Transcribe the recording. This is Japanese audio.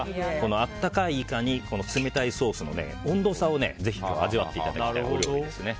温かいイカに冷たいソースの温度差をぜひ今日は味わっていただきたいお料理ですね。